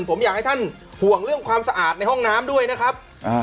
ผมอยากให้ท่านห่วงเรื่องความสะอาดในห้องน้ำด้วยนะครับ